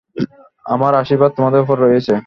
আমার আশীর্বাদ তোমাদের ওপর রয়েছে।